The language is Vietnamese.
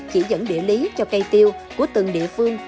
chỉ dẫn địa lý cho cây tiêu của từng địa phương